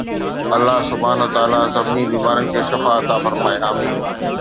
الله سبحانه وتعالي سڀني بيمارن کي شفا عطا فرمائي، آمين